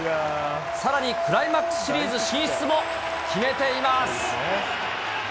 さらにクライマックスシリーズ進出も決めています。